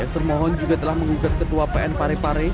termohon juga telah mengugat ketua pn parepare